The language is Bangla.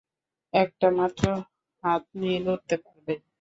একটা মাত্র হাত নিয়ে লড়তে পারবে?